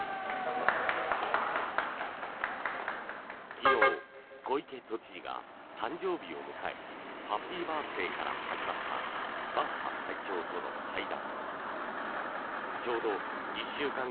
昨日小池都知事が誕生日を迎えハッピーバースデーから始まったバッハ会長との会談。